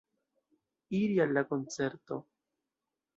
Iri al la koncerto.